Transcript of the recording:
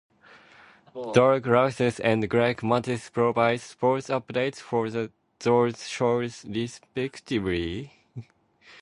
Doug Russell and Greg Matzek provide sports updates for those shows, respectively.